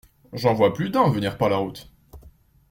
J’en vois plus d’un venir par la route.